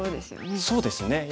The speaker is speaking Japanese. そうですよね。